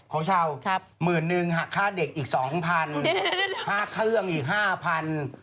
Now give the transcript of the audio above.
โคชาวหมื่นหนึ่งหักค่าเด็กอีก๒๐๐๐บาทค่าเครื่องอีก๕๐๐๐บาท